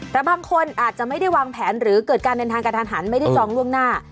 แต่บางคนอาจจะไม่ได้วางแผนหรือเกิดการเดินทางกระทันหันไม่ได้จองล่วงหน้า